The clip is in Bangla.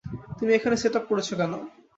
তুমি এখানে সেট আপ করেছো কেন?